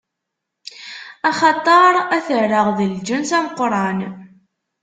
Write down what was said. Axaṭer ad t-rreɣ d lǧens ameqran.